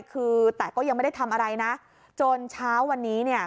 คือแต่ก็ยังไม่ได้ทำอะไรนะจนเช้าวันนี้เนี่ย